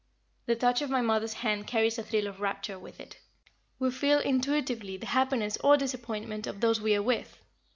The touch of my mother's hand carries a thrill of rapture with it. "We feel, intuitively, the happiness or disappointment of those we are with.